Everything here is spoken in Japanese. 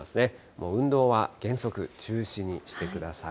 もう運動は原則中止にしてください。